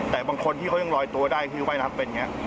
แต่บางคนที่เขายังลอยตัวได้คือว่ายน้ำเป็นอย่างนี้